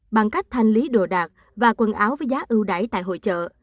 bằng cách thanh lý đồ đạc và quần áo với giá ưu đẩy tại hội chợ